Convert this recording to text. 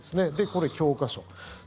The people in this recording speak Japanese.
これ教科書